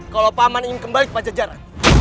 kalau paman ingin kembali ke pajajaran